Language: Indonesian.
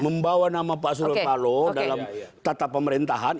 membawa nama pak surya palo dalam tata pemerintahan